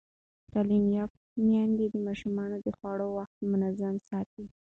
تعلیم یافته میندې د ماشومانو د خوړو وخت منظم ساتي.